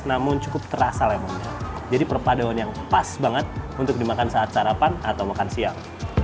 namun cukup terasa lemonnya jadi perpaduan yang pas banget untuk dimakan saat sarapan atau makan siang